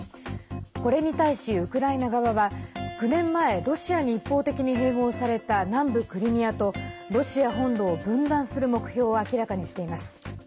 これに対し、ウクライナ側は９年前、ロシアに一方的に併合された南部クリミアとロシア本土を、分断する目標を明らかにしています。